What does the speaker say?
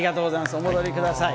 お戻りください。